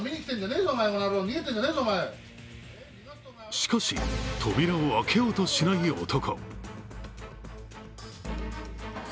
しかし、扉を開けようとしない男。